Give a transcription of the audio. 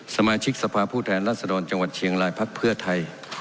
สมาชิกสภาพผู้แทนรัศดรจังหวัดเชียงรายพักเพื่อไทย